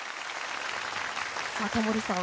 タモリさん